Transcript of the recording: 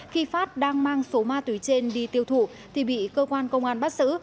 khi phát đang mang số ma túy trên đi tiêu thụ thì bị cơ quan công an bắt xử